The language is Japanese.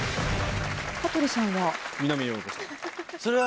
羽鳥さんは？